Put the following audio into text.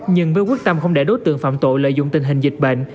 nhưng với quyết tâm không để đối tượng phạm tội lợi dụng tình hình dịch bệnh